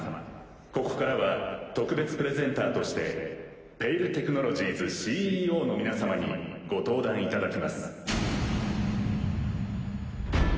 ここからは特別プレゼンターとして「ペイル・テクノロジーズ」ＣＥＯの皆様にご登壇いただきます。